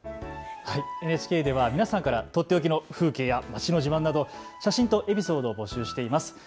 ＮＨＫでは皆さんから取って置きの風景や街の自慢など写真とエピソードを募集しています。